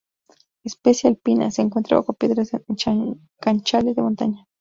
Especie alpina, se encuentra bajo piedras en canchales de montaña.